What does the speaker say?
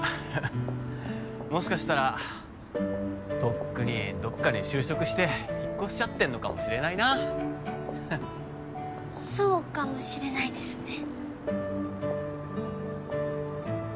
もしかしたらとっくにどっかに就職して引っ越しちゃってんのかもしれないなそうかもしれないですね